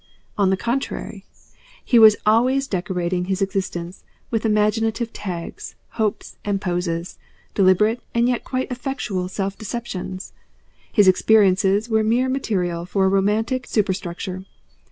On the contrary, he was always decorating his existence with imaginative tags, hopes, and poses, deliberate and yet quite effectual self deceptions; his experiences were mere material for a romantic superstructure.